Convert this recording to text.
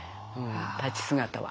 立ち姿は。